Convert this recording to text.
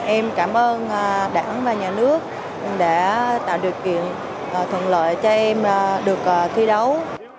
em cảm ơn đảng và nhà nước đã tạo điều kiện thuận lợi cho em được thi đấu